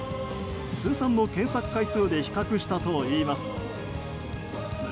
通算の検索回数で比較したといいます。